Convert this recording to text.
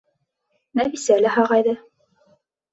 Нәфисә лә һағайҙы.